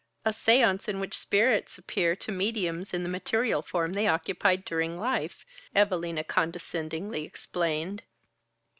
"A séance in which spirits appear to mediums in the material form they occupied during life," Evalina condescendingly explained.